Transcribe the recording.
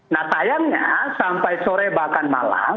nah sayangnya sampai sore bahkan malam